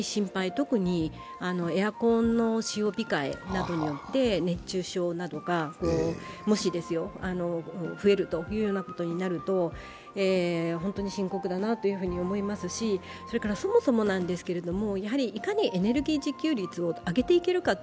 特にエアコンの使用控えなどによって熱中症などが、もし増えるというようなことになると本当に深刻だなと思いますしそもそもなんですけれどもいかにエネルギー自給率を上げていくか